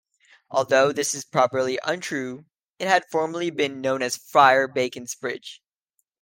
Although this is probably untrue, it had formerly been known as "Friar Bacon's Bridge".